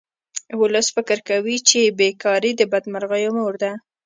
ولس فکر کوي چې بې کاري د بدمرغیو مور ده